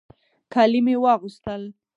کالي مې واغوستل.